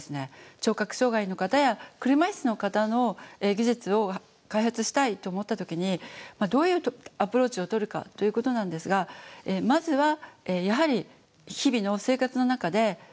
聴覚障害の方や車椅子の方の技術を開発したいと思った時にどういうアプローチをとるかということなんですがまずはやはり日々の生活の中でどういうことが困っているのか。